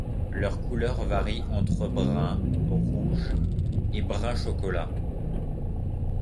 Leur couleur varie entre brun rouge et brun chocolat.